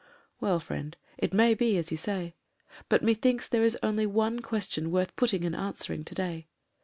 Well, friend, it may be as you say. But methinks there is only one question worth putting and answering to day.